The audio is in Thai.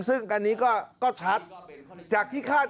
ซึ่งอันนี้ก็ชัด